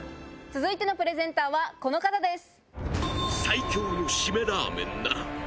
続いてのプレゼンターはこの方です。